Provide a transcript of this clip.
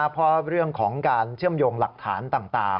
เพราะเรื่องของการเชื่อมโยงหลักฐานต่าง